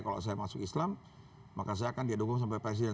kalau saya masuk islam maka saya akan didukung sampai persis